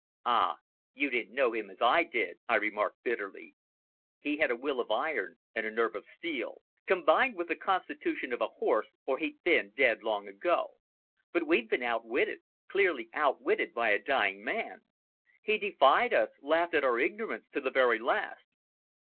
"Ah! you didn't know him as I did," I remarked bitterly. "He had a will of iron and a nerve of steel." "Combined with the constitution of a horse, or he'd been dead long ago. But we've been outwitted cleanly outwitted by a dying man. He defied us, laughed at our ignorance to the very last."